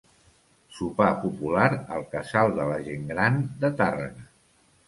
Sopar popular al Casal de la gent gran de Tàrrega.